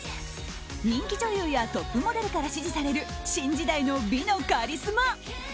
人気女優やトップモデルから支持される新時代の美のカリスマ。